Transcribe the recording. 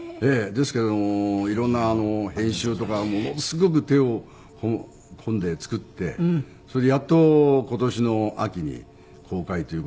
ですけどもいろんな編集とかものすごく手を込んで作ってそれでやっと今年の秋に公開という事になったんですけども。